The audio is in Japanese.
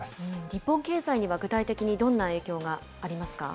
日本経済には具体的にどんな影響がありますか。